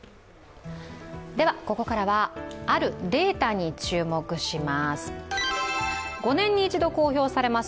ここからは、あるデータに注目します。